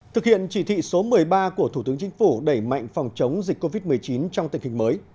thực hiện chỉ thị số một mươi ba của thủ tướng chính phủ đẩy mạnh phòng chống dịch covid một mươi chín trong tình hình mới